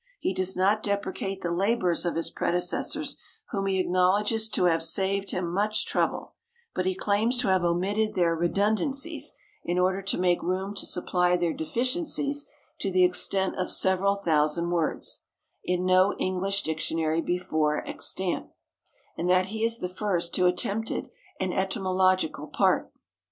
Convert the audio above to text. He does not deprecate the labors of his predecessors, whom he acknowledges to have saved him much trouble, but he claims to have omitted their redundancies in order to make room to supply their deficiencies to the extent of several thousand words, "in no English dictionary before extant," and that he is the first who attempted an etymological part.